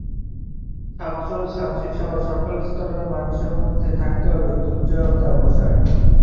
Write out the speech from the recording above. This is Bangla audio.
ছাত্র ছাত্রীসহ সকল স্তরের মানুষের মধ্যে থাকতে হবে দুর্জয় অধ্যবসায়।